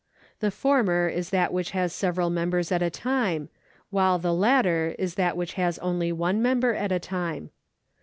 The former is that which has several members at a time, while the latter is that which has only one member at a time.